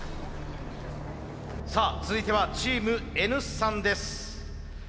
さあ続いてはチームＮ産です。